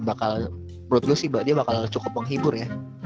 bakal menurut gue sih dia bakal cukup menghibur ya